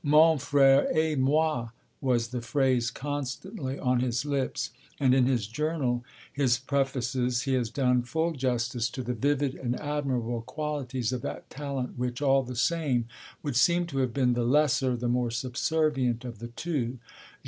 Mon frère et moi was the phrase constantly on his lips, and in his journal, his prefaces, he has done full justice to the vivid and admirable qualities of that talent which, all the same, would seem to have been the lesser, the more subservient, of the two.